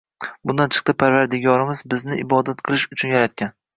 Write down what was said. Bundan chiqdi, Parvardigorimiz bizni ibodat qilish uchun yaratgan.